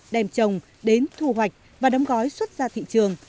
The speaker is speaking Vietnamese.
đem trồng đến thu hoạch và đóng gói xuất ra thị trường